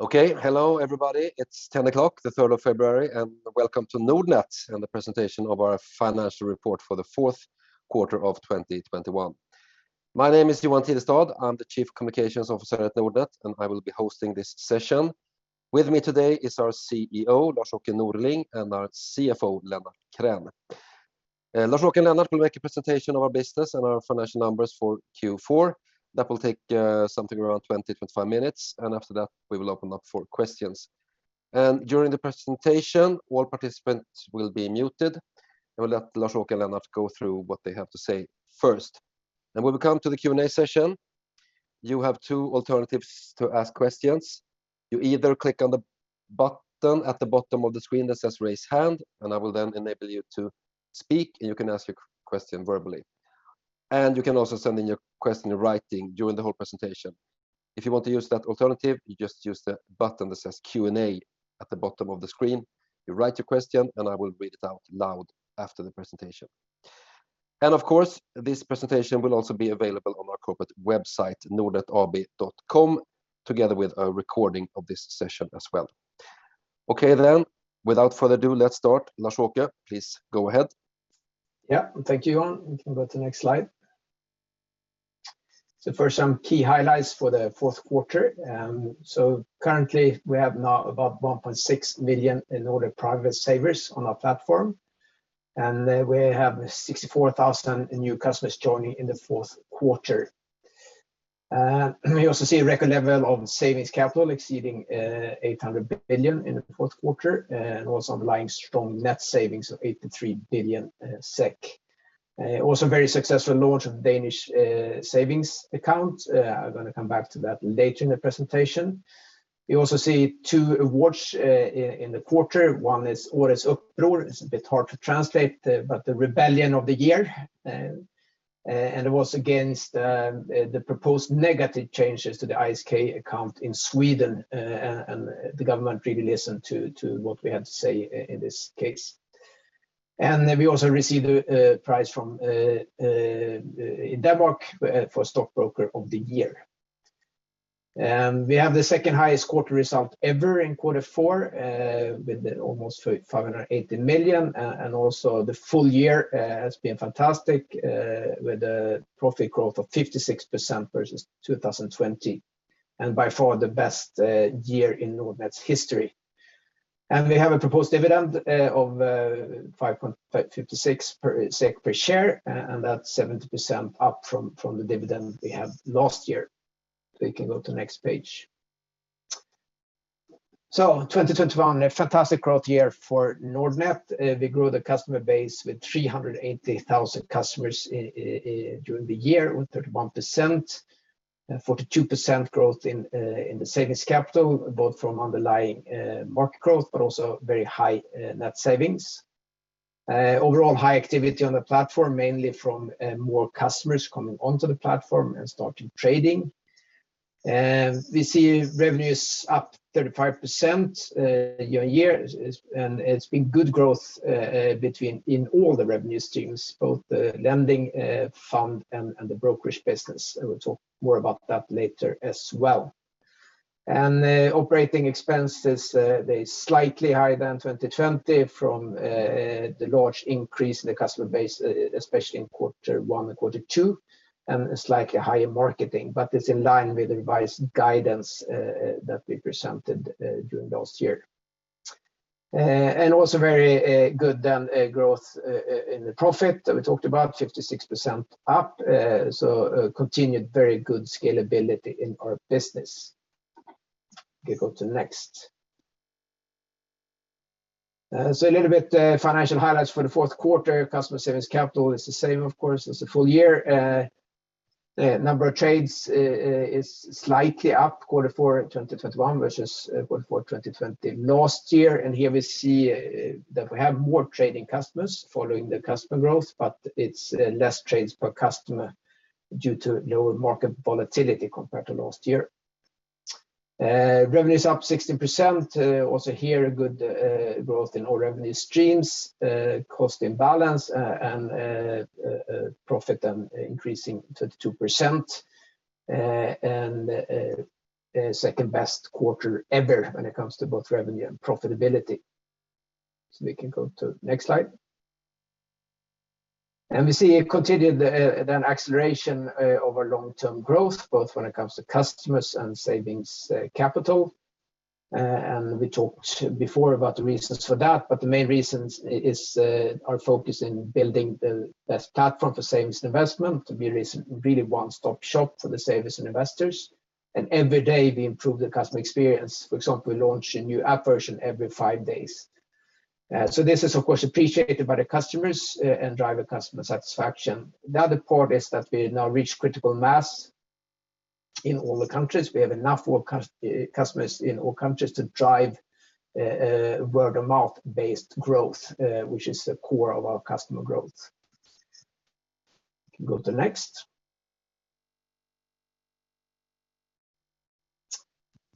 Okay. Hello everybody. It's 10 o'clock, the third of February, and welcome to Nordnet and the presentation of our financial report for the fourth quarter of 2021. My name is Johan Tidestad. I'm the Chief Communications Officer at Nordnet, and I will be hosting this session. With me today is our CEO, Lars-Åke Norling, and our CFO, Lennart Krän. Lars-Åke and Lennart will make a presentation of our business and our financial numbers for Q4 that will take something around 20-25 minutes, and after that we will open up for questions. During the presentation, all participants will be muted, and we'll let Lars-Åke and Lennart go through what they have to say first. When we come to the Q&A session, you have two alternatives to ask questions. You either click on the button at the bottom of the screen that says Raise Hand, and I will then enable you to speak, and you can ask your question verbally. You can also send in your question in writing during the whole presentation. If you want to use that alternative, you just use the button that says Q&A at the bottom of the screen. You write your question, and I will read it out loud after the presentation. Of course, this presentation will also be available on our corporate website, nordnetab.com, together with a recording of this session as well. Okay then. Without further ado, let's start. Lars-Åke, please go ahead. Yeah. Thank you, Johan. We can go to the next slide. First some key highlights for the fourth quarter. Currently we have now about 1.6 million total private savers on our platform, and we have 64,000 new customers joining in the fourth quarter. We also see a record level of savings capital exceeding 800 billion in the fourth quarter and also underlying strong net savings of 83 billion SEK. Also very successful launch of Danish savings account. I'm gonna come back to that later in the presentation. We also see two awards in the quarter. One is Årets Uppror. It's a bit hard to translate, but the rebellion of the year. It was against the proposed negative changes to the Investeringssparkonto account in Sweden. The government really listened to what we had to say in this case. We also received a prize in Denmark for Stock Broker of the Year. We have the second-highest quarter result ever in quarter four with almost 580 million, and also the full year has been fantastic with a profit growth of 56% versus 2020, and by far the best year in Nordnet's history. We have a proposed dividend of 5.56 SEK per share, and that's 70% up from the dividend we had last year. We can go to next page. 2021, a fantastic growth year for Nordnet. We grew the customer base with 380,000 customers in during the year with 31%. 42% growth in the savings capital, both from underlying market growth but also very high net savings. Overall high activity on the platform, mainly from more customers coming onto the platform and starting trading. We see revenues up 35% year-on-year, and it's been good growth in all the revenue streams, both the lending, fund and the brokerage business. I will talk more about that later as well. The operating expenses, they're slightly higher than 2020 from the large increase in the customer base, especially in quarter one and quarter two, and a slightly higher marketing, but it's in line with the revised guidance that we presented during last year. Also very good then growth in the profit that we talked about, 56% up. Continued very good scalability in our business. We go to next. A little bit financial highlights for the fourth quarter. Customer savings capital is the same, of course, as the full year. Number of trades is slightly up quarter four 2021 versus quarter four 2020 last year. Here we see that we have more trading customers following the customer growth, but it's less trades per customer due to lower market volatility compared to last year. Revenue is up 16%. Also here a good growth in all revenue streams. Cost imbalance and profit then increasing to 2%, second-best quarter ever when it comes to both revenue and profitability. We can go to next slide. We see a continued acceleration of our long-term growth, both when it comes to customers and savings capital. We talked before about the reasons for that, but the main reasons is our focus in building the best platform for savings and investment to be this really one-stop shop for the savers and investors. Every day, we improve the customer experience. For example, we launch a new app version every 5 days. This is of course appreciated by the customers and drives customer satisfaction. The other part is that we now reach critical mass in all the countries. We have enough customers in all countries to drive word-of-mouth based growth, which is the core of our customer growth. We can go to next.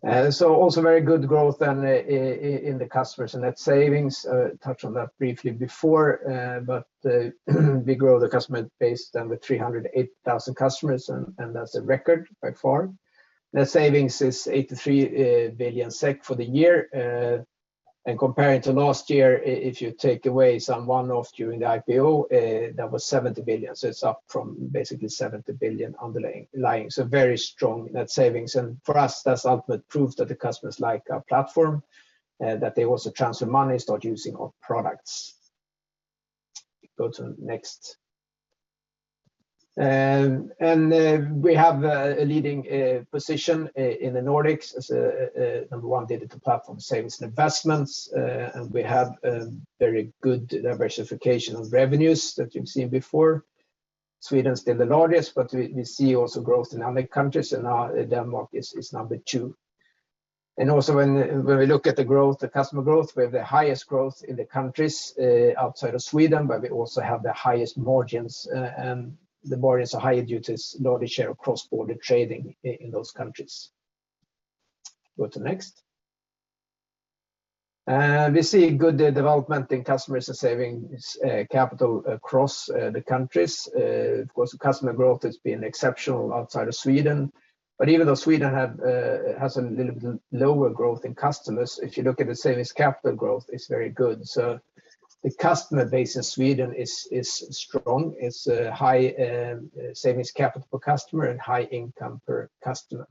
Also very good growth then in the customers and net savings. Touched on that briefly before, but we grow the customer base then with 308,000 customers and that's a record by far. Net savings is 83 billion SEK for the year. Comparing to last year, if you take away some one-offs during the IPO, that was 70 billion. It's up from basically 70 billion underlying. Very strong net savings. For us, that's ultimate proof that the customers like our platform, that they also transfer money, start using our products. Go to next. Then we have a leading position in the Nordics as a number one digital platform savings and investments. We have a very good diversification of revenues that you've seen before. Sweden is still the largest, but we see also growth in other countries, and now Denmark is number two. Also when we look at the growth, the customer growth, we have the highest growth in the countries outside of Sweden, but we also have the highest margins, and the margins are higher due to its large share of cross-border trading in those countries. Go to next. We see good development in customers' savings capital across the countries. Of course, the customer growth has been exceptional outside of Sweden. Even though Sweden has a little bit lower growth in customers, if you look at the savings capital growth, it's very good. The customer base in Sweden is strong. It's a high savings capital customer and high income per customer.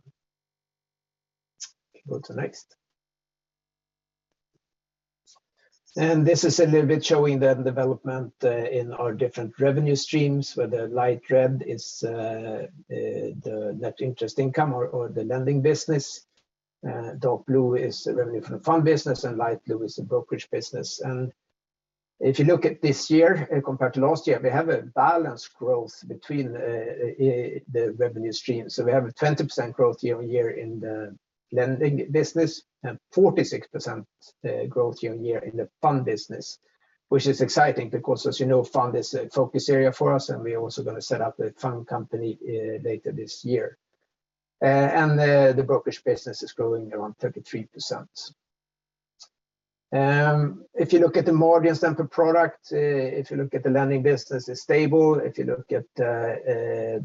Go to next. This is a little bit showing the development in our different revenue streams, where the light red is the net interest income or the lending business. Dark blue is revenue from fund business, and light blue is the brokerage business. If you look at this year compared to last year, we have a balanced growth between the revenue stream. We have a 20% growth year-over-year in the lending business and 46% growth year-over-year in the fund business, which is exciting because as you know, fund is a focus area for us and we are also gonna set up a fund company later this year. The brokerage business is growing around 33%. If you look at the margins then per product, if you look at the lending business is stable, if you look at the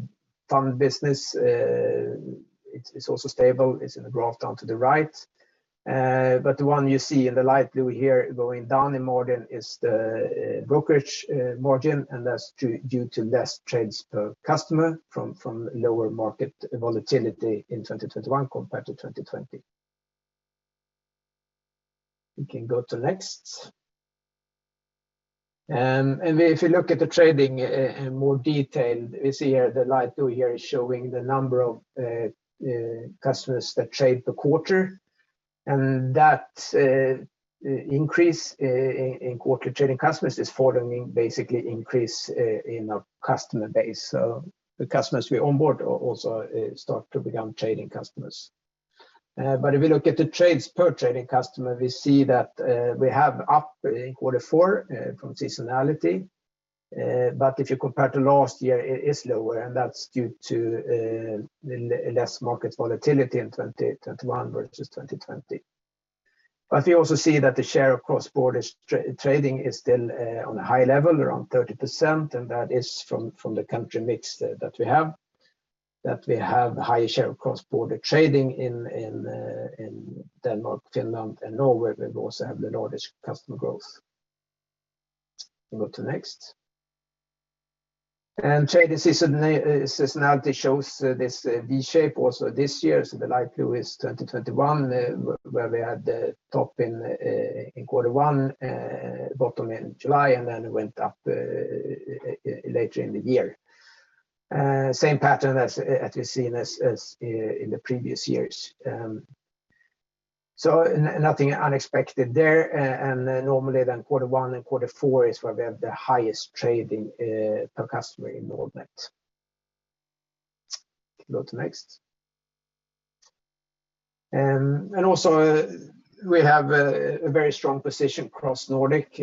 fund business, it's also stable. It's in the graph down to the right. But the one you see in the light blue here going down in margin is the brokerage margin, and that's due to less trades per customer from lower market volatility in 2021 compared to 2020. We can go to next. And if you look at the trading in more detail, you see here the light blue here is showing the number of customers that trade per quarter. And that increase in quarter trading customers is following basically increase in our customer base. So the customers we onboard also start to become trading customers. If we look at the trades per trading customer, we see that we have up in quarter four from seasonality. If you compare to last year, it is lower, and that's due to less market volatility in 2021 versus 2020. We also see that the share of cross-border trading is still on a high level, around 30%, and that is from the country mix that we have, higher share of cross-border trading in Denmark, Finland, and Norway. We also have the largest customer growth. We go to next. Trade seasonality shows this V shape also this year. The light blue is 2021, where we had the top in quarter one, bottom in July, and then it went up later in the year. Same pattern as we've seen in the previous years. Nothing unexpected there. Normally then quarter one and quarter four is where we have the highest trading per customer involvement. Go to next. We have a very strong position across Nordic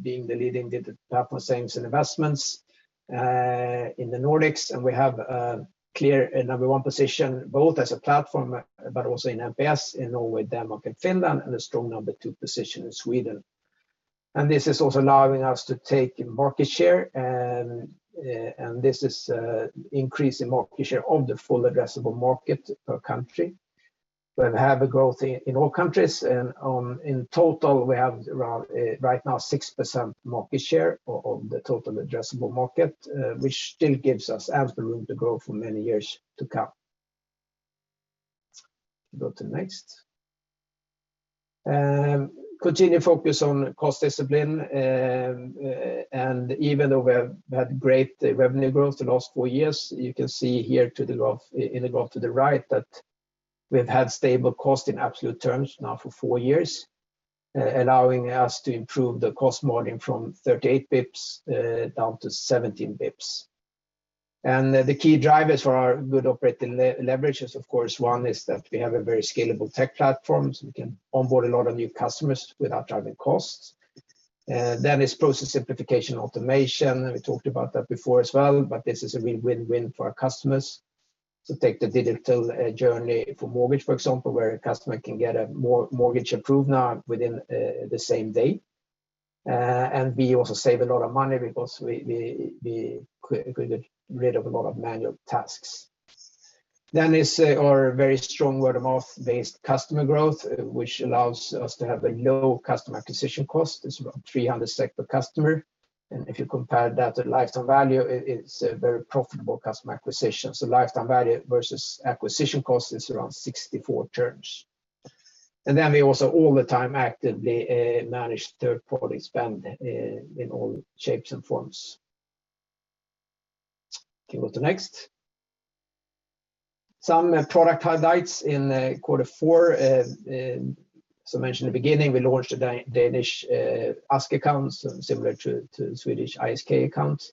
being the leading digital platform savings and investments in the Nordics. We have a clear number one position both as a platform, but also in NPS in Norway, Denmark, and Finland, and a strong number two position in Sweden. This is also allowing us to take market share, and this is increasing market share of the full addressable market per country. We have growth in all countries and in total we have around right now 6% market share of the total addressable market which still gives us absolute room to grow for many years to come. Go to next. Continue focus on cost discipline. Even though we have had great revenue growth the last four years you can see in the graph to the right that we've had stable cost in absolute terms now for four years allowing us to improve the cost margin from 38 basis points down to 17 basis points. The key drivers for our good operating leverage is of course one is that we have a very scalable tech platform so we can onboard a lot of new customers without driving costs. Then it's process simplification automation. We talked about that before as well, but this is a win-win-win for our customers to take the digital journey for mortgage, for example, where a customer can get a mortgage approved now within the same day. We also save a lot of money because we get rid of a lot of manual tasks. Our very strong word-of-mouth-based customer growth allows us to have a low customer acquisition cost. It's about 300 SEK per customer, and if you compare that to lifetime value, it's a very profitable customer acquisition. Lifetime value versus acquisition cost is around 64x. We also all the time actively manage third-party spend in all shapes and forms. Can you go to next. Some product highlights in quarter four, as mentioned at the beginning, we launched the Danish ASK accounts similar to Swedish Investeringssparkonto accounts.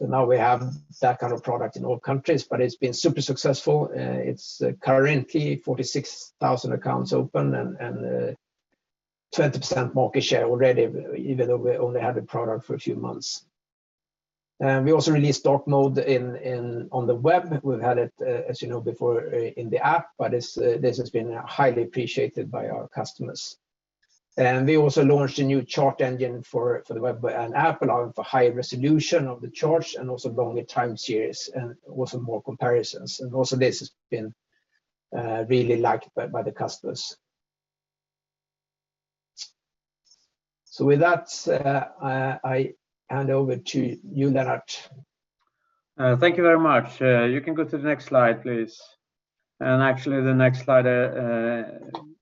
Now we have that kind of product in all countries, but it's been super successful. It's currently 46,000 accounts open and 20% market share already even though we only had the product for a few months. We also released dark mode on the web. We've had it, as you know, before in the app, but this has been highly appreciated by our customers. We also launched a new chart engine for the web and app allowing for high resolution of the charts and also longer time series and also more comparisons. Also this has been really liked by the customers. With that, I hand over to you, Lennart. Thank you very much. You can go to the next slide, please, and actually the next slide,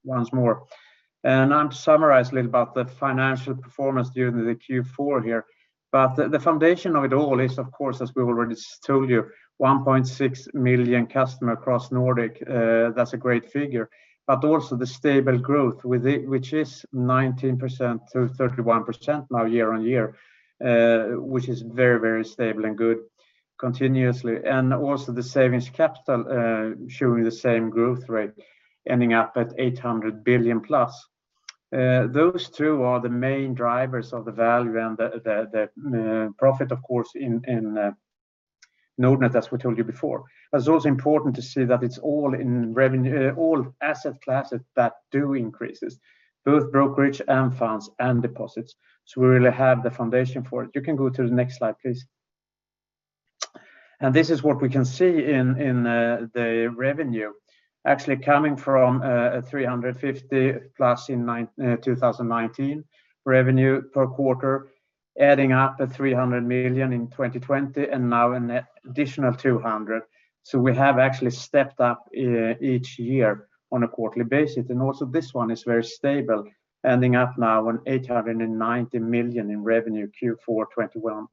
once more. I'm summarizing about the financial performance during the Q4 here, but the foundation of it all is of course, as we already told you, 1.6 million customers across Nordic. That's a great figure. The stable growth with it, which is 19%-31% now year-on-year, which is very, very stable and good continuously. The savings capital, showing the same growth rate ending up at 800 billion+. Those two are the main drivers of the value and the profit of course, in Nordnet as we told you before. It's also important to see that it's all in revenue, all asset classes that do increases both brokerage and funds and deposits. We really have the foundation for it. You can go to the next slide, please. This is what we can see in the revenue actually coming from 350+ in 2019 revenue per quarter, adding up to 300 million in 2020 and now an additional 200 million. We have actually stepped up each year on a quarterly basis. Also this one is very stable ending up now on 890 million in revenue Q4 2021.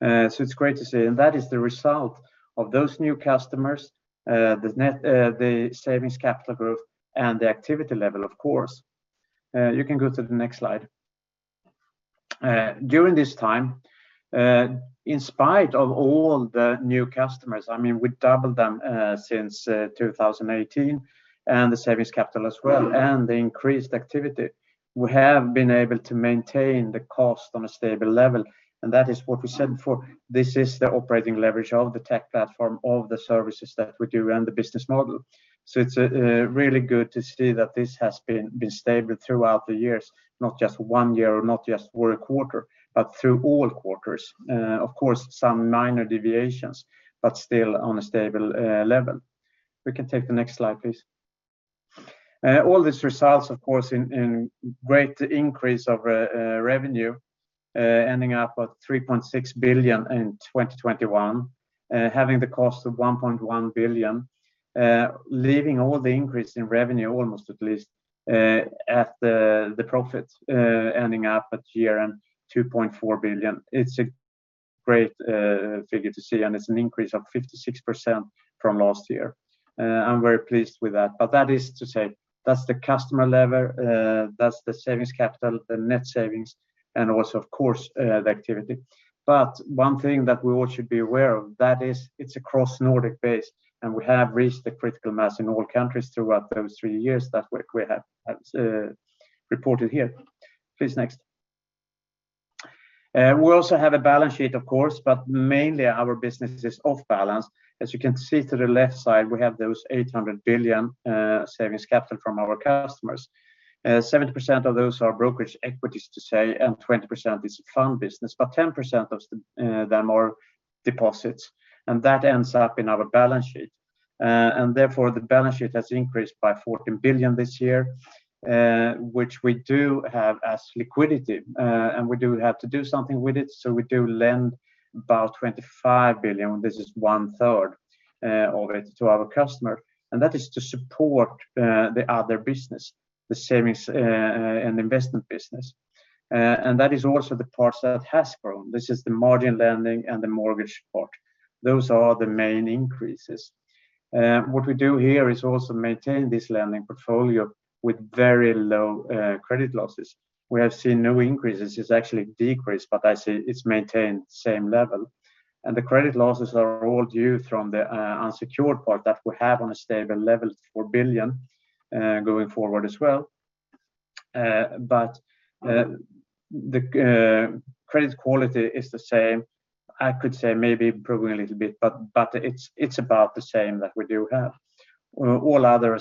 It's great to see and that is the result of those new customers, the savings capital growth and the activity level of course. You can go to the next slide. During this time, in spite of all the new customers, I mean, we doubled them since 2018 and the savings capital as well and the increased activity. We have been able to maintain the cost on a stable level, and that is what we said before. This is the operating leverage of the tech platform, of the services that we do and the business model. It's really good to see that this has been stable throughout the years, not just one year or not just for a quarter, but through all quarters. Of course, some minor deviations, but still on a stable level. We can take the next slide, please. All this results of course in great increase of revenue, ending up at 3.6 billion in 2021, having the cost of 1.1 billion, leaving all the increase in revenue almost at least at the profits, ending up at year-end 2.4 billion. It's a great figure to see and it's an increase of 56% from last year. I'm very pleased with that. That is to say that's the customer level, that's the savings capital, the net savings, and also of course the activity. One thing that we all should be aware of is it's a cross-Nordic base and we have reached the critical mass in all countries throughout those three years that we have reported here. Please, next. We also have a balance sheet of course, but mainly our business is off balance. As you can see to the left side, we have 800 billion savings capital from our customers. 70% of those are brokerage equities to say, and 20% is fund business, but 10% of them are deposits and that ends up in our balance sheet. Therefore the balance sheet has increased by 14 billion this year, which we do have as liquidity. We do have to do something with it. We do lend about 25 billion. This is one third of it to our customer. That is to support the other business, the savings and investment business. That is also the parts that has grown. This is the margin lending and the mortgage part. Those are the main increases. What we do here is also maintain this lending portfolio with very low credit losses. We have seen no increases. It's actually decreased, but I say it's maintained same level and the credit losses are all due from the unsecured part that we have on a stable level, 4 billion going forward as well. The credit quality is the same. I could say maybe improving a little bit, but it's about the same that we have. All other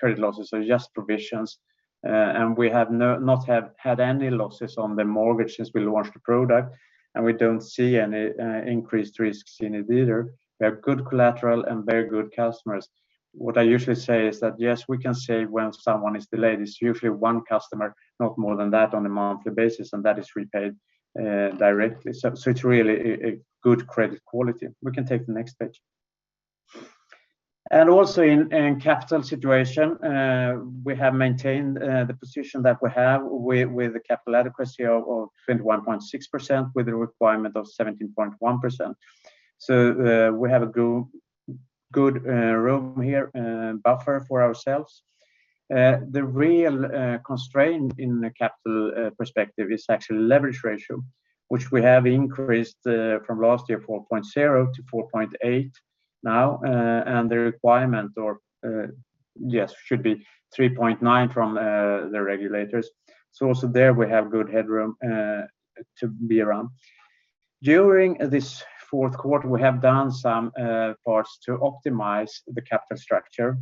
credit losses are just provisions and we have not had any losses on the mortgage since we launched the product, and we don't see any increased risks in it either. We have good collateral and very good customers. What I usually say is that, yes, we can say when someone is delayed, it's usually one customer, not more than that on a monthly basis, and that is repaid directly. It's really a good credit quality. We can take the next page. Also in capital situation, we have maintained the position that we have with the capital adequacy of 21.6% with a requirement of 17.1%. We have a good room here, buffer for ourselves. The real constraint in the capital perspective is actually leverage ratio, which we have increased from last year, 4.0-4.8 now. The requirement should be 3.9 from the regulators. Also there we have good headroom to be around. During this fourth quarter, we have done some parts to optimize the capital structure.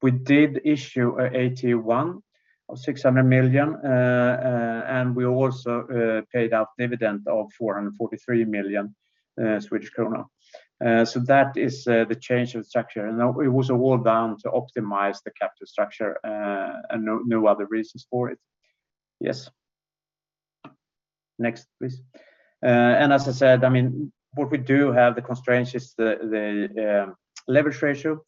We did issue a AT1 of 600 million and we also paid out dividend of 443 million Swedish krona. That is the change of structure. It was all done to optimize the capital structure and no other reasons for it. As I said, I mean, what we have the constraints is the leverage ratio.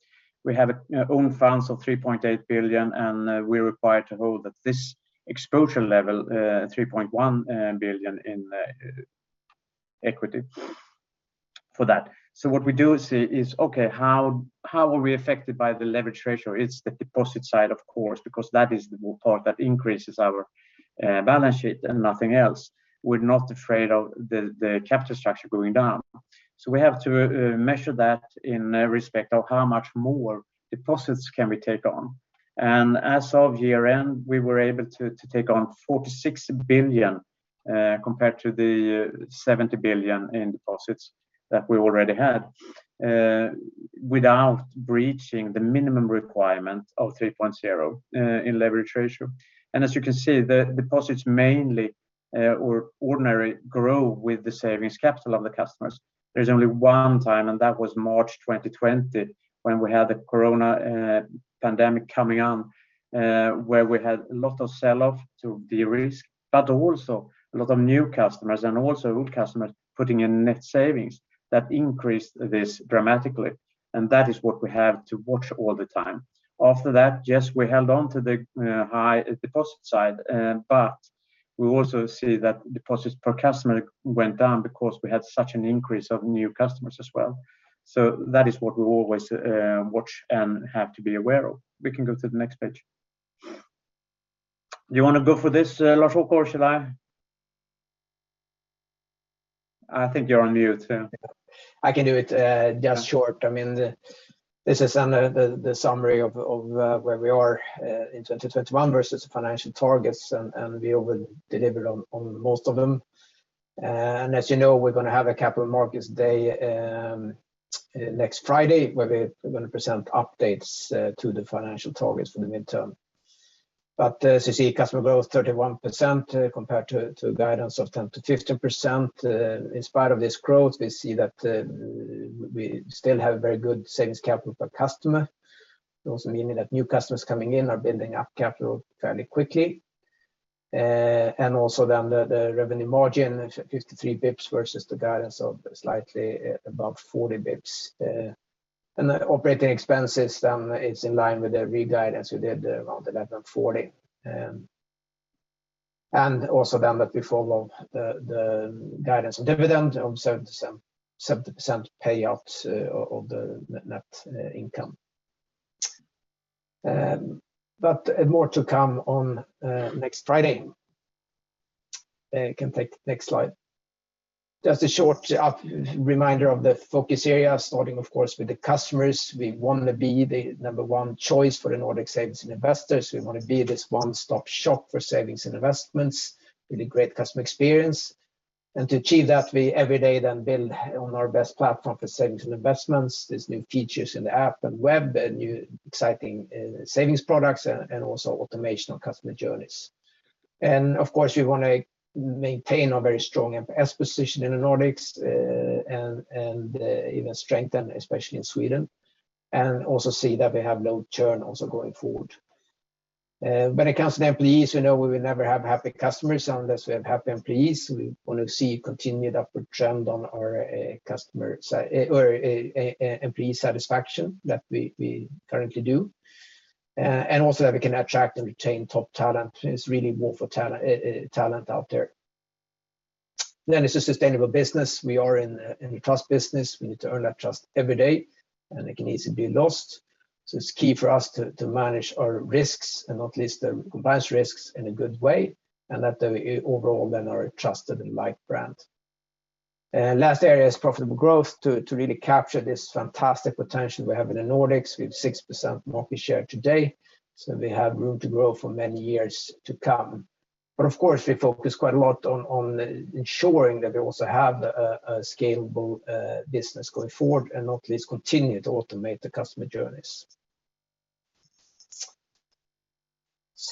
We have own funds of 3.8 billion, and we're required to hold at this exposure level 3.1 billion in equity for that. What we do is see, okay, how are we affected by the leverage ratio? It's the deposit side, of course, because that is the part that increases our balance sheet and nothing else. We're not afraid of the capital structure going down. We have to measure that in respect of how much more deposits can we take on. As of year-end, we were able to take on 46 billion compared to the 70 billion in deposits that we already had without breaching the minimum requirement of 3.0 in leverage ratio. As you can see, the deposits mainly or ordinary grow with the savings capital of the customers. There's only one time, and that was March 2020 when we had the corona pandemic coming on, where we had a lot of sell-off to de-risk, but also a lot of new customers and also old customers putting in net savings that increased this dramatically. That is what we have to watch all the time. After that, yes, we held on to the high deposit side, but we also see that deposits per customer went down because we had such an increase of new customers as well. That is what we always watch and have to be aware of. We can go to the next page. Do you wanna go for this, Lars, of course, should I? I think you're on mute. I can do it just short. I mean, this is the summary of where we are in 2021 versus financial targets and we over delivered on most of them. As you know, we're gonna have a capital markets day next Friday, where we're gonna present updates to the financial targets for the midterm. As you see, customer growth 31% compared to guidance of 10%-15%. In spite of this growth, we see that we still have very good savings capital per customer. Also meaning that new customers coming in are building up capital fairly quickly. And also then the revenue margin 53 bps versus the guidance of slightly above 40 bps. And the operating expenses then is in line with the re-guide as we did around 1,140. Also then that we follow the guidance of 70% payouts of the net income. More to come on next Friday. Can take the next slide. Just a short update reminder of the focus area, starting of course with the customers. We wanna be the number one choice for the Nordic savers and investors. We wanna be this one-stop shop for savings and investments with a great customer experience. To achieve that, we every day build on our best platform for savings and investments. There's new features in the app and web, new exciting savings products and automation on customer journeys. Of course, we wanna maintain a very strong NPS position in the Nordics and even strengthen, especially in Sweden, and also see that we have low churn also going forward. When it comes to the employees, we know we will never have happy customers unless we have happy employees. We want to see continued upward trend on our employee satisfaction that we currently do. And also that we can attract and retain top talent. It's really war for talent out there. Then it's a sustainable business. We are in a trust business. We need to earn that trust every day, and it can easily be lost. It's key for us to manage our risks and not least the combined risks in a good way and that the overall then are a trusted and liked brand. Last area is profitable growth to really capture this fantastic potential we have in the Nordics with 6% market share today. We have room to grow for many years to come. Of course, we focus quite a lot on ensuring that we also have a scalable business going forward, and not least continue to automate the customer journeys.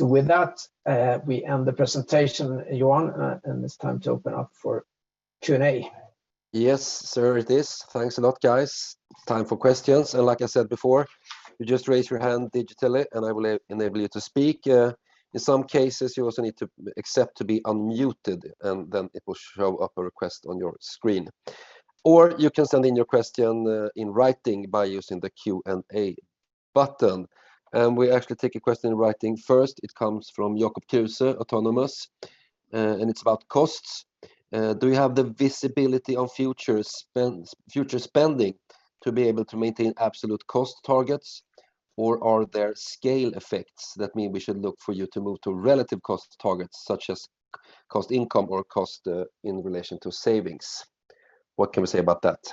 With that, we end the presentation, Johan, and it's time to open up for Q&A. Yes, sir, it is. Thanks a lot, guys. Time for questions. Like I said before, you just raise your hand digitally, and I will enable you to speak. In some cases, you also need to accept to be unmuted, and then it will show up a request on your screen. Or you can send in your question in writing by using the Q&A button. We actually take a question in writing first. It comes from Jacob Thuesen, Autonomous, and it's about costs. Do you have the visibility on future spending to be able to maintain absolute cost targets? Or are there scale effects that mean we should look for you to move to relative cost targets such as cost income or cost in relation to savings? What can we say about that?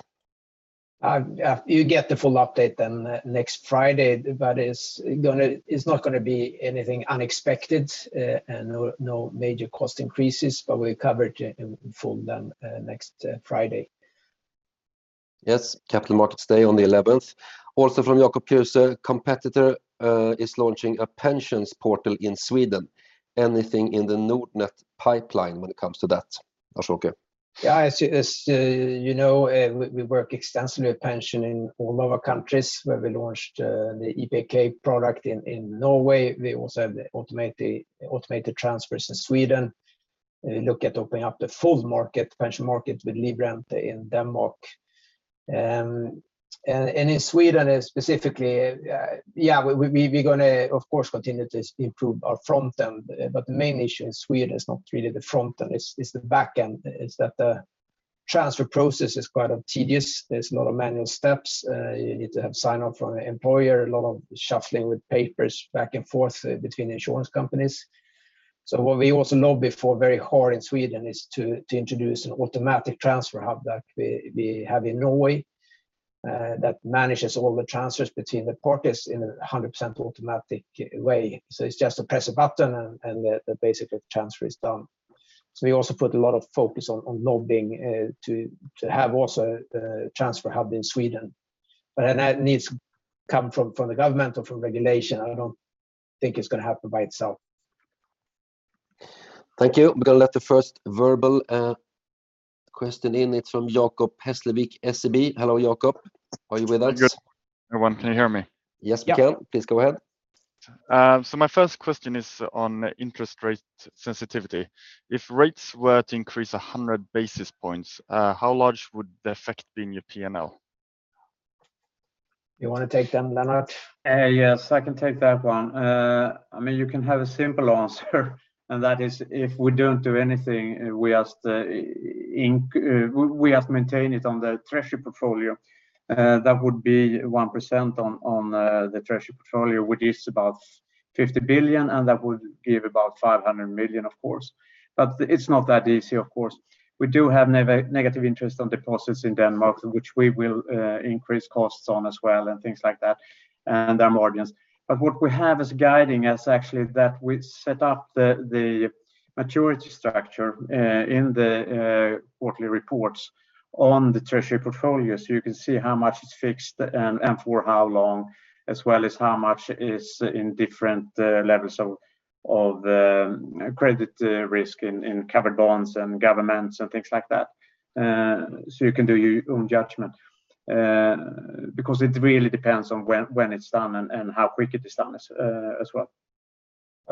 You get the full update then next Friday, but it's not gonna be anything unexpected, and no major cost increases, but we'll cover it in full then next Friday. Yes, Capital Markets Day on the eleventh. Also from Jacob Thuesen, competitor is launching a pensions portal in Sweden. Anything in the Nordnet pipeline when it comes to that, Lars-Åke? Yeah, you know, we work extensively with pension in all of our countries, where we launched the EPK product in Norway. We also have the automated transfers in Sweden. We look at opening up the full market, pension market with Livrente in Denmark. In Sweden specifically, we gonna, of course, continue to improve our front end. The main issue in Sweden is not really the front end, it's the back end, is that the transfer process is quite tedious. There's a lot of manual steps. You need to have sign-off from the employer, a lot of shuffling with papers back and forth between insurance companies. What we also know is very hard in Sweden is to introduce an automatic transfer hub that we have in Norway that manages all the transfers between the parties in a 100% automatic way. It's just to press a button and the basic transfer is done. We also put a lot of focus on lobbying to have also a transfer hub in Sweden. That needs to come from the government or from regulation. I don't think it's gonna happen by itself. Thank you. We're gonna let the first verbal question in. It's from Jacob Hässlevik, SEB. Hello, Jakob. Are you with us? Good. Everyone, can you hear me? Yes, we can. Yeah. Please go ahead. My first question is on interest rate sensitivity. If rates were to increase 100 basis points, how large would the effect be in your P&L? You wanna take that one, Lennart? Yes, I can take that one. I mean, you can have a simple answer, and that is if we don't do anything, we just maintain it on the treasury portfolio, that would be 1% on the treasury portfolio, which is about 50 billion, and that would give about 500 million, of course. It's not that easy, of course. We do have negative interest on deposits in Denmark, which we will increase costs on as well and things like that, and our margins. What we have is guiding us actually that we set up the maturity structure in the quarterly reports on the treasury portfolio, so you can see how much is fixed and for how long, as well as how much is in different levels of credit risk in covered bonds and governments and things like that. So you can do your own judgment because it really depends on when it's done and how quick it is done as well.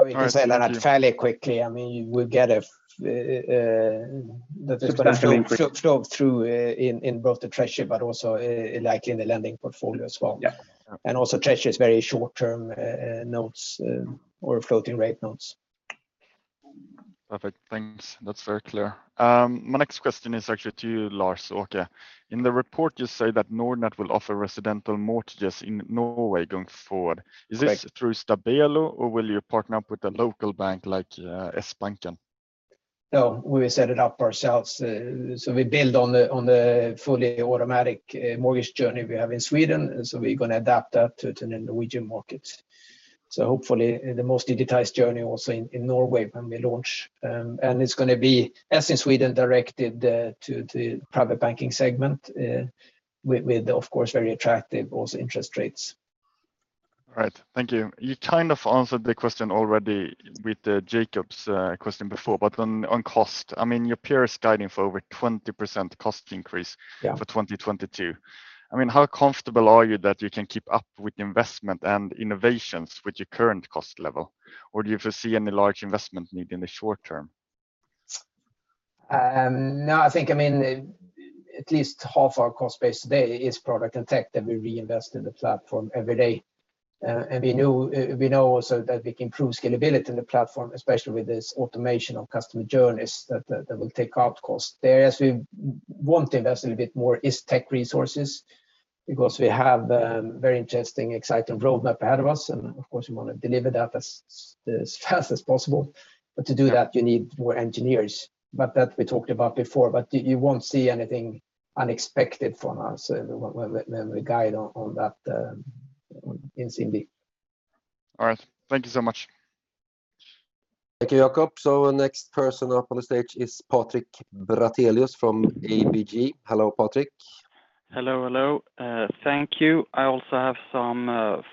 We can say that fairly quickly. I mean, we'll get the flow through in both the treasury, but also likely in the lending portfolio as well. Yeah. Also, treasury is very short-term notes or floating rate notes. Perfect. Thanks. That's very clear. My next question is actually to you, Lars-Åke. In the report, you say that Nordnet will offer residential mortgages in Norway going forward. Correct. Is this through Stabelo, or will you partner up with a local bank like, Sbanken? No, we will set it up ourselves. We build on the fully automatic mortgage journey we have in Sweden, and we're gonna adapt that to the Norwegian market. Hopefully, the most digitized journey also in Norway when we launch. It's gonna be, as in Sweden, directed to the private banking segment, with of course very attractive also interest rates. All right. Thank you. You kind of answered the question already with Jakob's question before, but on cost, I mean, your peer is guiding for over 20% cost increase. Yeah for 2022. I mean, how comfortable are you that you can keep up with investment and innovations with your current cost level? Or do you foresee any large investment need in the short term? No, I think, I mean, at least half our cost base today is product and tech that we reinvest in the platform every day. We know also that we can improve scalability in the platform, especially with this automation of customer journeys that will take out cost. The areas we want to invest a little bit more is tech resources because we have very interesting, exciting roadmap ahead of us, and of course, we wanna deliver that as fast as possible. To do that, you need more engineers. That we talked about before. You won't see anything unexpected from us when we guide on that, In Cindy. All right. Thank you so much. Thank you, Jacob. Next person up on the stage is Patrik Brattelius from ABG. Hello, Patrick. Hello. Hello. Thank you. I also have some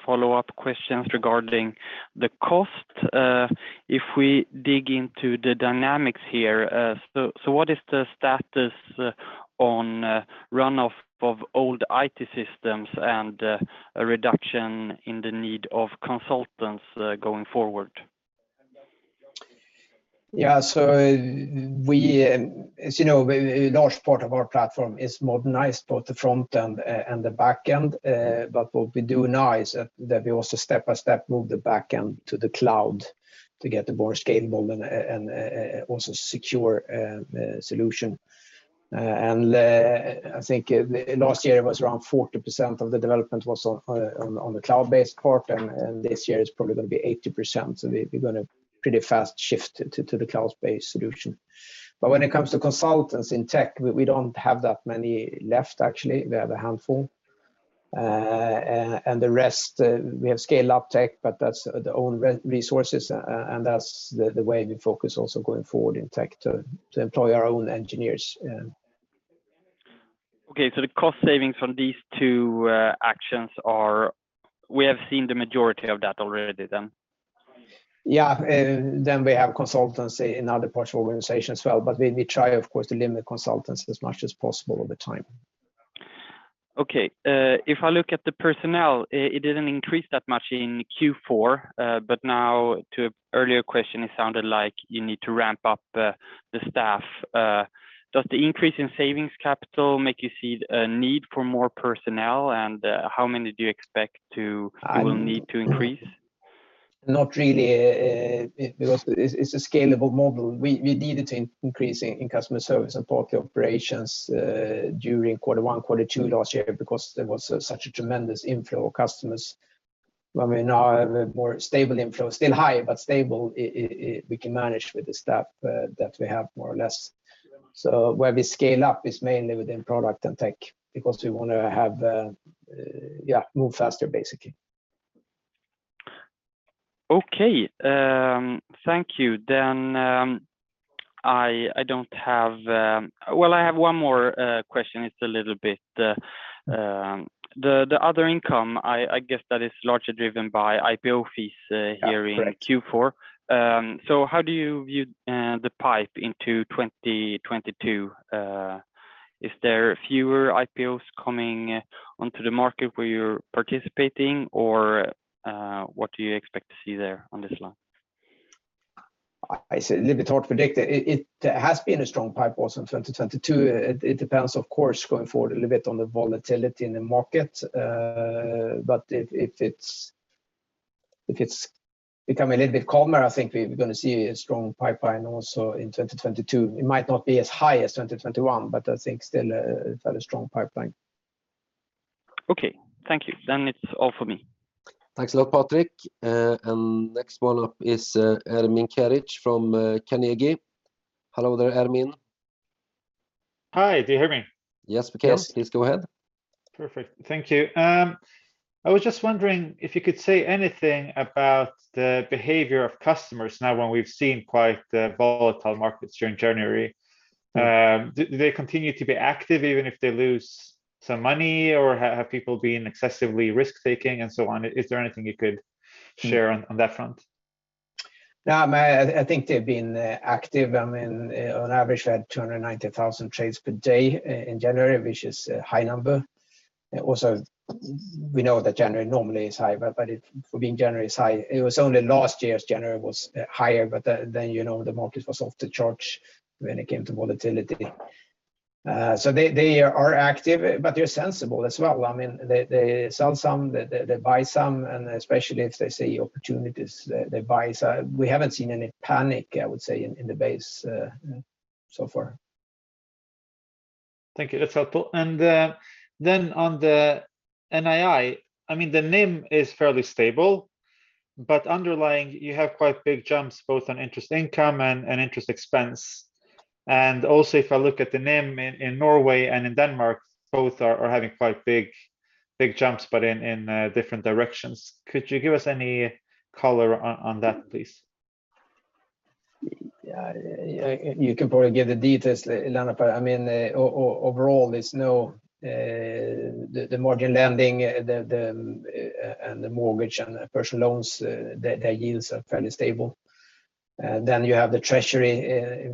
follow-up questions regarding the cost, if we dig into the dynamics here. What is the status on runoff of old IT systems and a reduction in the need of consultants going forward? Yeah. As you know, a large part of our platform is modernized both the front and the back end. What we do now is that we also step by step move the back end to the cloud to get a more scalable and also secure solution. I think last year it was around 40% of the development was on the cloud-based part, and this year it's probably gonna be 80%. We're gonna pretty fast shift to the cloud-based solution. When it comes to consultants in tech, we don't have that many left actually. We have a handful, and the rest, we have scale up tech, but that's our own resources, and that's the way we focus also going forward in tech to employ our own engineers. Yeah. Okay. The cost savings from these two actions are. We have seen the majority of that already then? We have consultancy in other parts of the organization as well, but we try of course to limit consultants as much as possible all the time. Okay. If I look at the personnel, it didn't increase that much in Q4, but now to earlier question, it sounded like you need to ramp up the staff. Does the increase in savings capital make you see a need for more personnel? And, how many do you expect to- Um- will need to increase? Not really, because it's a scalable model. We needed to increase in customer service and part of the operations during quarter one, quarter two last year because there was such a tremendous inflow of customers. When we now have a more stable inflow, still high, but stable, we can manage with the staff that we have more or less. Where we scale up is mainly within product and tech because we wanna have, yeah, move faster, basically. Okay. Thank you. Well, I have one more question. It's a little bit. The other income, I guess that is largely driven by IPO fees. Yeah. Correct.... here in Q4. How do you view the pipe into 2022? Is there fewer IPOs coming onto the market where you're participating? What do you expect to see there on this line? I'd say a little bit hard to predict. It has been a strong pipeline also in 2022. It depends, of course, going forward a little bit on the volatility in the market. But if it's become a little bit calmer, I think we're gonna see a strong pipeline also in 2022. It might not be as high as 2021, but I think still a very strong pipeline. Okay. Thank you. It's all for me. Thanks a lot, Patrik. Next one up is Ermin Keric from Carnegie. Hello there, Ermin. Hi. Do you hear me? Yes, we can. Cool. Please go ahead. Perfect. Thank you. I was just wondering if you could say anything about the behavior of customers now when we've seen quite the volatile markets during January. Do they continue to be active even if they lose some money? Or have people been excessively risk-taking and so on? Is there anything you could share on that front? No, I think they've been active. I mean, on average, we had 290,000 trades per day in January, which is a high number. Also we know that January normally is high, but it for being January is high. It was only last year's January was higher, but then, you know, the market was off the charts when it came to volatility. So they are active, but they're sensible as well. I mean, they sell some, they buy some, and especially if they see opportunities they buy. So we haven't seen any panic, I would say, in the base so far. Thank you. That's helpful. Then on the NII, I mean, the NIM is fairly stable, but underlying you have quite big jumps both on interest income and interest expense. Also if I look at the NIM in Norway and in Denmark, both are having quite big jumps, but in different directions. Could you give us any color on that, please? Yeah. You can probably give the details, Lennart, but I mean overall there's no, the margin lending, and the mortgage and personal loans, their yields are fairly stable. You have the treasury.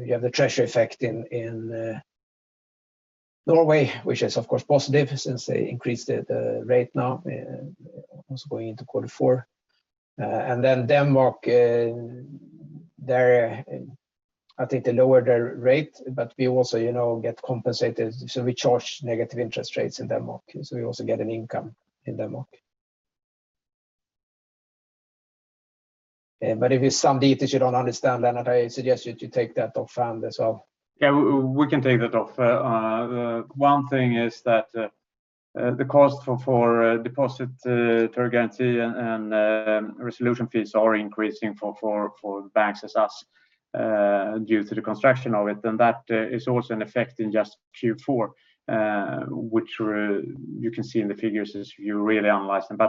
You have the treasury effect in Norway, which is of course positive since they increased the rate now, also going into quarter four. Denmark, they're I think they lowered their rate, but we also, you know, get compensated. We charge negative interest rates in Denmark, so we also get an income in Denmark. If there's some details you don't understand, Lennart, I suggest you to take that off hand as well. Yeah, we can take that off. One thing is that the cost for deposit guarantee and resolution fees are increasing for banks like us due to the construction of it. That is also an effect in just Q4, which you can see in the figures as you really analyze them. We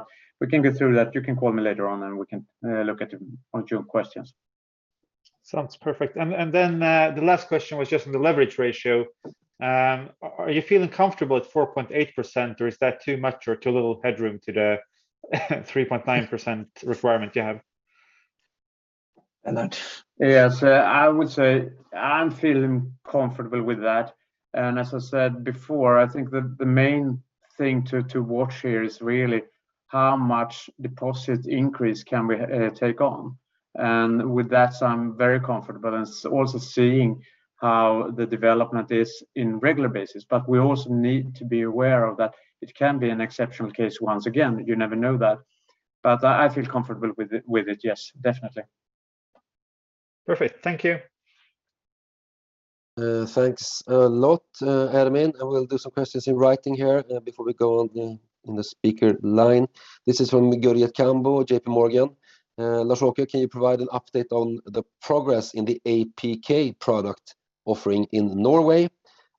can go through that. You can call me later on, and we can look at your questions. Sounds perfect. Then the last question was just on the leverage ratio. Are you feeling comfortable at 4.8% or is that too much or too little headroom to the 3.9% requirement you have? Yes. I would say I'm feeling comfortable with that. I said before, I think the main thing to watch here is really how much deposit increase can we take on. With that, I'm very comfortable and also seeing how the development is on a regular basis. We also need to be aware of that it can be an exceptional case once again, you never know that. I feel comfortable with it, yes, definitely. Perfect. Thank you. Thanks a lot, Ermin. We'll do some questions in writing here before we go in the speaker line. This is from Gurjit Kambo, JPMorgan. Lars-Åke, can you provide an update on the progress in the EPK product offering in Norway?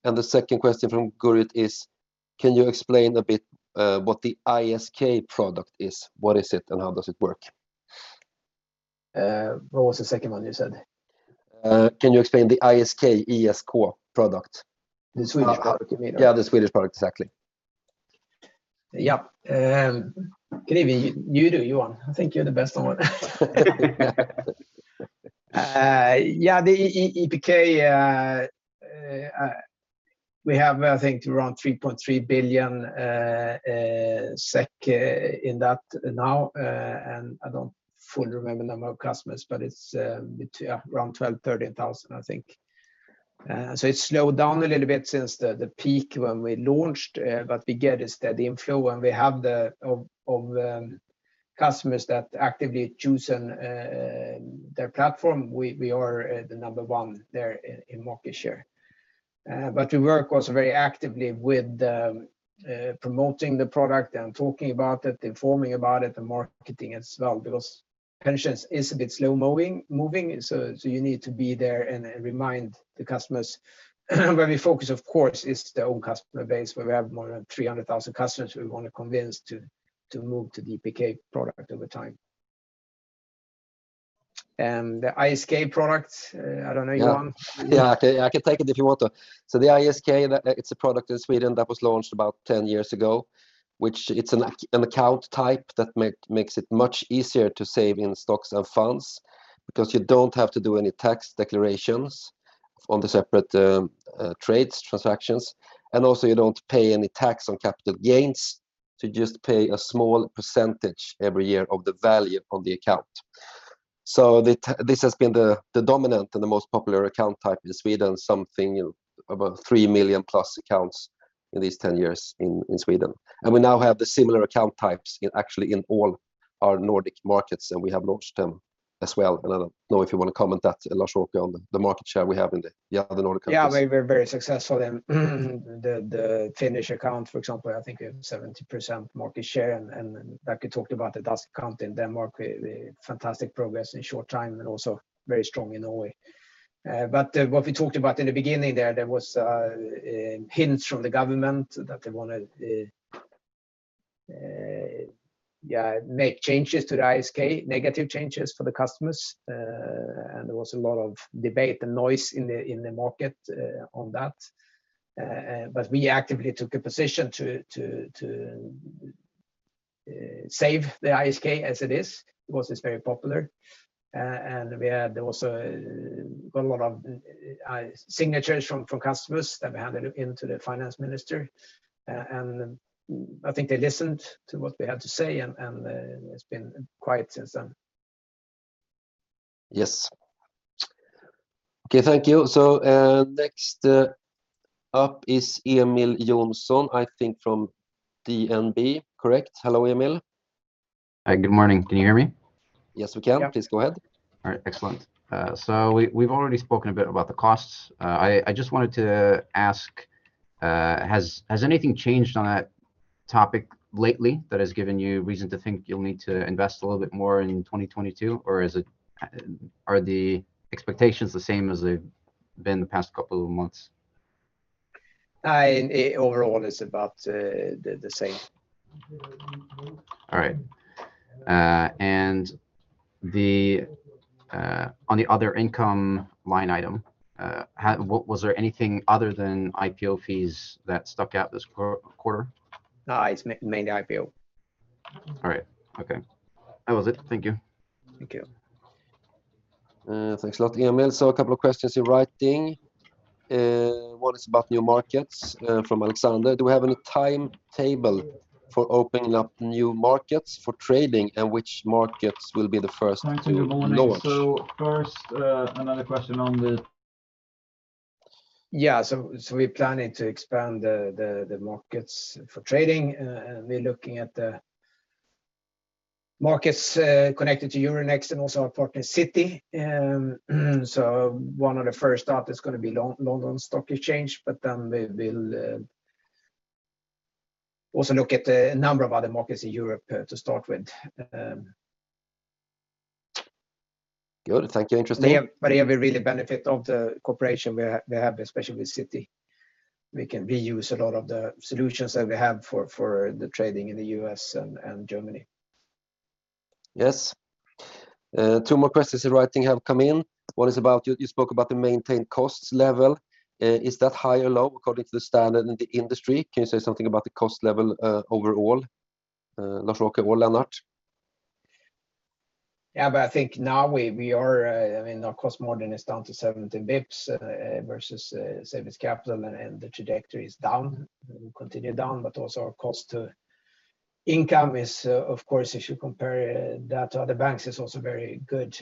The second question from Gurjit is, can you explain a bit what the ISK product is? What is it and how does it work? What was the second one you said? Can you explain the Investeringssparkonto, I-S-K product? The Swedish product you mean, right? Yeah, the Swedish product, exactly. Yeah. Gurjit Kambo, I think you're the best on it. Yeah, the EPK, we have, I think, around 3.3 billion SEK in that now, and I don't fully remember the number of customers, but it's around 12,000-13,000, I think. It's slowed down a little bit since the peak when we launched, but we get a steady inflow and we have customers that actively choose their platform. We are the number one there in market share. We work also very actively with promoting the product and talking about it, informing about it and marketing as well because pensions is a bit slow moving. You need to be there and remind the customers. When we focus, of course, is the old customer base, where we have more than 300,000 customers we wanna convince to move to the EPK product over time. The ISK product, I don't know, Johan. Yeah. Yeah, I can take it if you want to. The Investeringssparkonto, that's a product in Sweden that was launched about 10 years ago, which is an account type that makes it much easier to save in stocks and funds because you don't have to do any tax declarations on the separate trades, transactions, and also you don't pay any tax on capital gains but just pay a small percentage every year of the value of the account. This has been the dominant and the most popular account type in Sweden, something about 3 million plus accounts in these 10 years in Sweden. We now have the similar account types actually in all our Nordic markets, and we have launched them as well. I don't know if you wanna comment that, Lars-Åke, on the market share we have in yeah the other Nordic countries. We're very successful in the Finnish account, for example. I think we have 70% market share and like we talked about the ASK account in Denmark with fantastic progress in short time and also very strong in Norway. What we talked about in the beginning there was hints from the government that they wanna make changes to the Investeringssparkonto, negative changes for the customers. There was a lot of debate and noise in the market on that. We actively took a position to save the Investeringssparkonto as it is because it's very popular. We had also a lot of signatures from customers that we handed into the finance minister. I think they listened to what we had to say and it's been quiet since then. Yes. Okay. Thank you. Next up is Emil Jonsson, I think from DNB, correct? Hello, Emil. Hi, good morning. Can you hear me? Yes, we can. Yeah. Please go ahead. All right. Excellent. We've already spoken a bit about the costs. I just wanted to ask, has anything changed on that topic lately that has given you reason to think you'll need to invest a little bit more in 2022? Or are the expectations the same as they've been the past couple of months? Overall it's about the same. All right. Then on the other income line item, was there anything other than IPO fees that stuck out this quarter? No, it's mainly IPO. All right. Okay. That was it. Thank you. Thank you. Thanks a lot, Emil. A couple of questions in writing. One is about new markets, from Alexander. Do we have any timetable for opening up new markets for trading, and which markets will be the first to launch? Martin, good morning. First, another question on the We're planning to expand the markets for trading. We're looking at the markets connected to Euronext and also our partner, Citi. One of the first stop is gonna be London Stock Exchange, but then we will also look at a number of other markets in Europe to start with. Good. Thank you. Interesting. Yeah, we really benefit from the cooperation we have, especially with Citi. We can reuse a lot of the solutions that we have for the trading in the U.S. and Germany. Yes. Two more questions in writing have come in. One is about you spoke about the maintained costs level. Is that high or low according to the standard in the industry? Can you say something about the cost level, overall, Lars-Åke or Lennart? Yeah, I think now we are, I mean, our cost margin is down to 70 bps versus savings capital and the trajectory is down, will continue down. Also our cost to income is, of course, if you compare that to other banks, is also very good.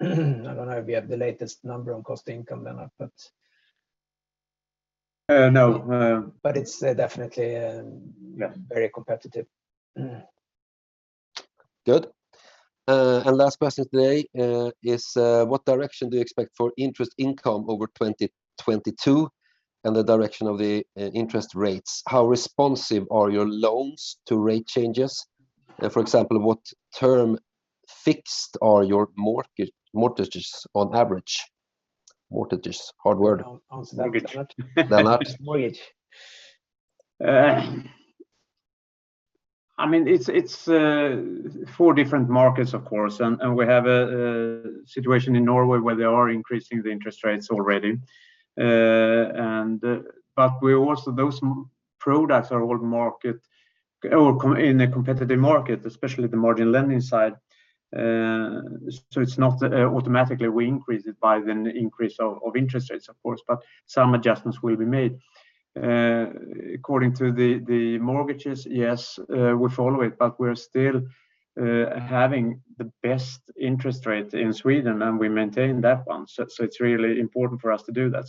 I don't know if we have the latest number on cost to income, Lennart, but. No. It's definitely. Yeah Very competitive. Good. And last question today is what direction do you expect for interest income over 2022 and the direction of the interest rates? How responsive are your loans to rate changes? For example, what term fixed are your mortgages on average? Mortgages, hard word. I'll answer that one, Lennart. Mortgage. Lennart. It's mortgage. I mean, it's four different markets, of course. We have a situation in Norway where they are increasing the interest rates already. We also... Those products are all in a competitive market, especially the margin lending side. It's not automatically we increase it by the increase of interest rates, of course, but some adjustments will be made. According to the mortgages, yes, we follow it, but we're still having the best interest rate in Sweden, and we maintain that one. It's really important for us to do that.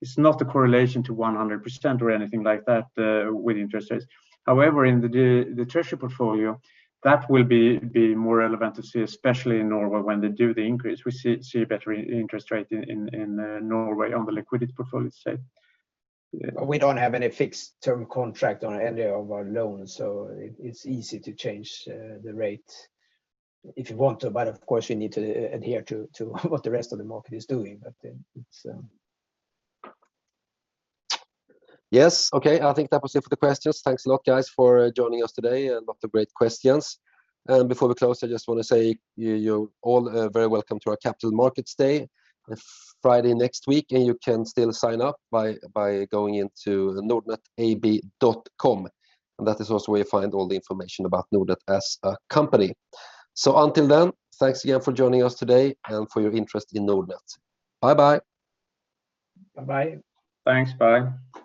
It's not a correlation to 100% or anything like that with interest rates. However, in the treasury portfolio, that will be more relevant to see, especially in Norway when they do the increase. We see a better interest rate in Norway on the liquidity portfolio side. We don't have any fixed term contract on any of our loans, so it's easy to change the rate if you want to. Of course, you need to adhere to what the rest of the market is doing. Yes. Okay, I think that was it for the questions. Thanks a lot, guys, for joining us today and a lot of great questions. Before we close, I just wanna say, you're all very welcome to our Capital Markets Day, Friday next week, and you can still sign up by going into nordnetab.com. That is also where you find all the information about Nordnet as a company. Until then, thanks again for joining us today and for your interest in Nordnet. Bye-bye. Bye-bye. Thanks. Bye.